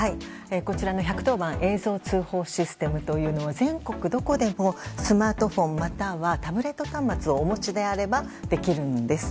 こちらの１１０番映像通報システムというのは全国どこでも、スマートフォンまたはタブレット端末をお持ちであればできるんです。